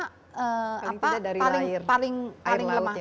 cuma paling lemah